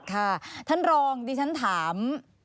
ค่ะท่านรองดิฉันถาม